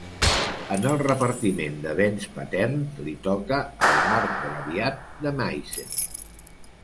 En el repartiment de béns paterns li tocà el Marcgraviat de Meissen.